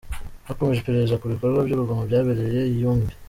Hakomeje iperereza ku bikorwa by'urugomo byabereye i Yumbi.